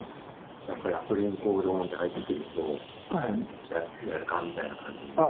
やっぱりアトリエにこうドーンって入ってくると「やるか」みたいな感じになる？